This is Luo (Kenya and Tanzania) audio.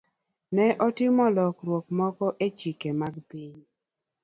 Ne otim lokruok moko e chike mag piny.